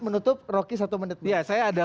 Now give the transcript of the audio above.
menutup rocky satu menit dia saya ada